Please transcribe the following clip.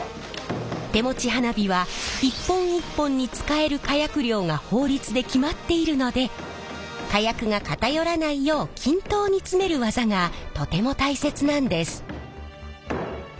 手持ち花火は一本一本に使える火薬量が法律で決まっているので火薬が偏らないよう均等に詰める技がとても大切なんです。